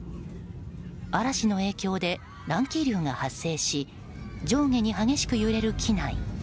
嵐の影響で乱気流が発生し上下に激しく揺れる機内。